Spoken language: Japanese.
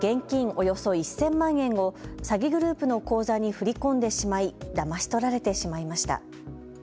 およそ１０００万円を詐欺グループの口座に振り込んでしまいだまし取られてしまいました。